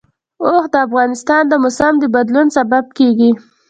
اوښ د افغانستان د موسم د بدلون سبب کېږي.